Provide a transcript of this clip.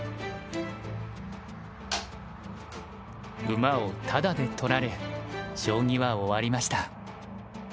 馬をタダで取られ将棋は終わりました。